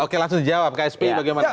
oke langsung dijawab ksp bagaimana